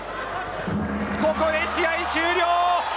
ここで試合終了！